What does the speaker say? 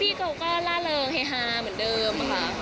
ปกติคะพี่ก็ล่าเลิงเฮ้ยเหมือนเดิมค่ะ